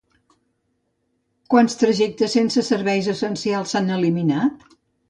Quants trajectes sense serveis essencials s'han eliminat?